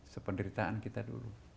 sependeritaan kita dulu